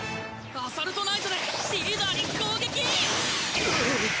アサルトナイトでリーダーに攻撃！